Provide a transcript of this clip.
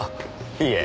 いえ。